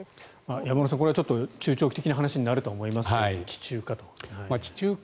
山村さん、これは中長期的な話になると思いますが地中化。